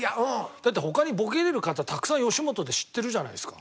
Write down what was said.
だって他にボケれる方たくさん吉本で知ってるじゃないですか。